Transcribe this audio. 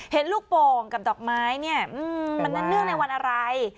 เห็นลูกโป่งกับดอกไม้เนี่ยมันเนื่องในวันอะไร